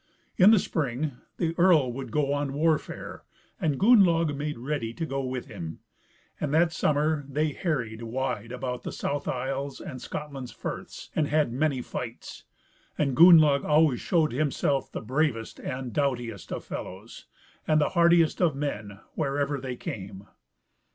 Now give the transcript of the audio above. In the spring the earl would go on warfare, and Gunnlaug made ready to go with him; and that summer they harried wide about the South isles and Scotland's firths, and had many fights, and Gunnlaug always showed himself the bravest and doughtiest of fellows, and the hardiest of men wherever they came.